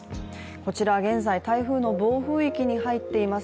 こちら、現在、台風の暴風域に入っています